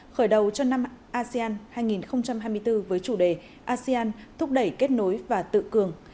khởi đầu cho năm asean hai nghìn hai mươi bốn với chủ đề asean thúc đẩy kết nối và tự cường